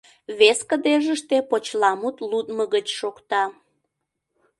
Вес кыдежыште почеламут лудмыгыч шокта.